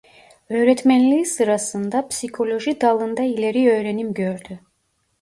Öğretmenliği sırasında psikoloji dalında ileri öğrenim gördü.